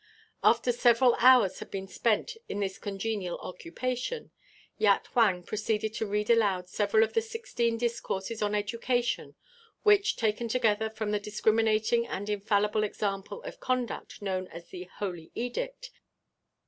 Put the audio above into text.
After several hours had been spent in this congenial occupation, Yat Huang proceeded to read aloud several of the sixteen discourses on education which, taken together, form the discriminating and infallible example of conduct known as the Holy Edict.